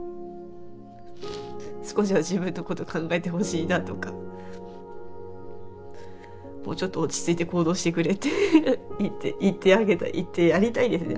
少しは自分のこと考えてほしいなとかもうちょっと落ち着いて行動してくれって言ってあげたい「言ってやりたい」ですね。